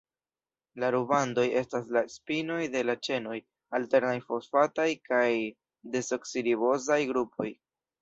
La rubandoj estas la spinoj de la ĉenoj, alternaj fosfataj kaj desoksiribozaj grupoj.